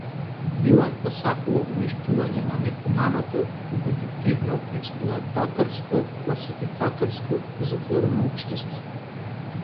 Дилан посакува уништување на нехуманото, компетитивно, експлоататорско, класификаторско и затворено општество.